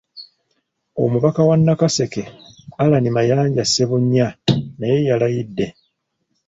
Omubaka wa Nakaseke, Allan Mayanja Ssebunnya naye alayidde.